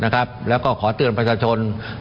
คำแต่มไพรศาชนสังคม